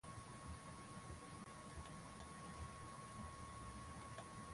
nikukumbushe tu kwamba leo tulikuwa tukitazama